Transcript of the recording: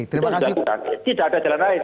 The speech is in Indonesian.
terima kasih tidak ada jalan lain